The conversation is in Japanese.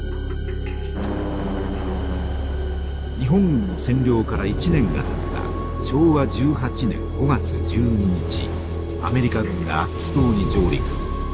日本軍の占領から１年がたった昭和１８年５月１２日アメリカ軍がアッツ島に上陸。